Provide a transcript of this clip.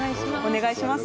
お願いします。